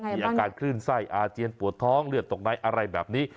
มีอาการคลื่นไส้อาเจียนปวดท้องเลือดตกในอะไรแบบนี้